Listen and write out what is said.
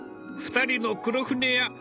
２人の「黒船屋」